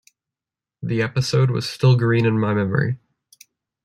The episode was still green in my memory.